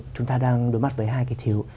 chúng ta đang đối mặt với hai thiếu